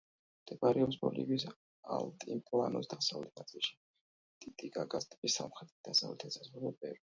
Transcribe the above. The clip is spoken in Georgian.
მდებარეობს ბოლივიის ალტიპლანოს დასავლეთ ნაწილში, ტიტიკაკას ტბის სამხრეთით, დასავლეთით ესაზღვრება პერუ.